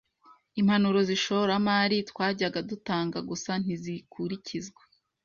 Impanuro zishoramari twajyaga dutanga gusa ntizikurikizwa.